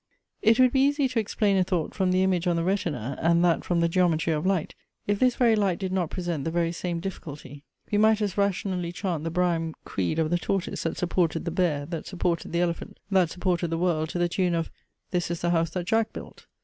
It would be easy to explain a thought from the image on the retina, and that from the geometry of light, if this very light did not present the very same difficulty. We might as rationally chant the Brahim creed of the tortoise that supported the bear, that supported the elephant, that supported the world, to the tune of "This is the house that Jack built."